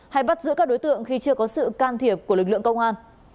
hay bắt giữ các đối tượng khi chưa có sự can thiệp của lực lượng công an